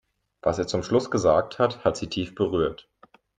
Was er zum Schluss gesagt hat, hat sie tief berührt.